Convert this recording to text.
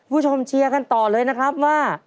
คุณผู้ชมเชียร์กันต่อเลยนะครับว่า